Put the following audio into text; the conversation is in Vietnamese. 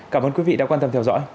cảm ơn quý vị đã quan tâm theo dõi